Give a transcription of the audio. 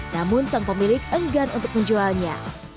namun sang pemilik enggan untuk menjualnya